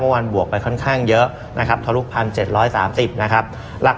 วันบวกไปค่อนข้างเยอะนะครับทะลุ๑๗๓๐นะครับ